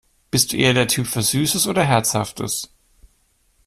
Bist du eher der Typ für Süßes oder Herzhaftes?